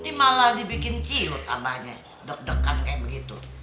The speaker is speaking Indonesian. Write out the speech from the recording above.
ini malah dibikin ciut tambahnya deg degan kayak begitu